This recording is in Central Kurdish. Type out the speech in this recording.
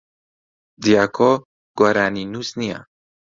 دیاکۆ گۆرانینووس نییە.